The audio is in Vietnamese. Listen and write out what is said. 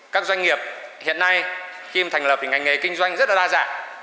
các doanh nghiệp hiện nay khi mà thành lập thì ngành nghề kinh doanh rất là đa dạng